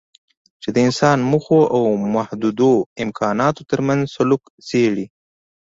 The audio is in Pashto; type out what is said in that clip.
چې د انسان موخو او محدودو امکاناتو ترمنځ سلوک څېړي.